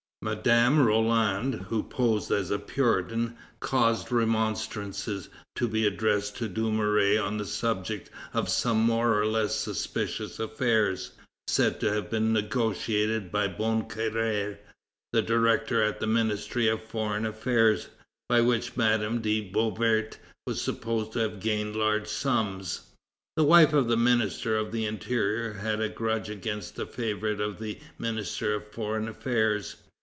Madame Roland, who posed as a puritan, caused remonstrances to be addressed to Dumouriez on the subject of some more or less suspicious affairs, said to have been negotiated by Bonne Carrère, the director at the Ministry of Foreign Affairs, by which Madame de Beauvert was supposed to have gained large sums. The wife of the Minister of the Interior had a grudge against the favorite of the Minister of Foreign Affairs.